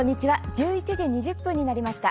１１時２０分になりました。